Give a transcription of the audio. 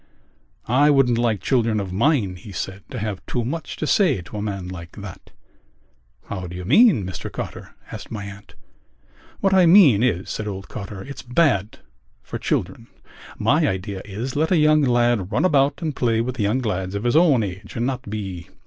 "I wouldn't like children of mine," he said, "to have too much to say to a man like that." "How do you mean, Mr Cotter?" asked my aunt. "What I mean is," said old Cotter, "it's bad for children. My idea is: let a young lad run about and play with young lads of his own age and not be....